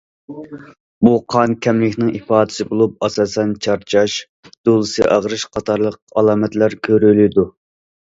بۇ قان كەملىكنىڭ ئىپادىسى بولۇپ، ئاساسەن چارچاش، دولىسى ئاغرىش قاتارلىق ئالامەتلەر كۆرۈلىدۇ.